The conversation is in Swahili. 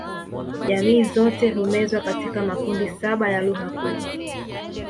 Jamii zote humezwa katika makundi saba ya lugha kuu